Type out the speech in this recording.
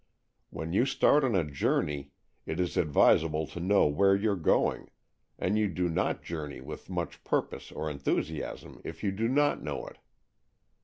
When you start on a journey, it is advisable to know where you're going, and you do not journey with much purpose or enthusiasm if you do not know it.